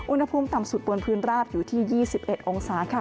อุณหภูมิต่ำสุดบนพื้นราบอยู่ที่๒๑องศาค่ะ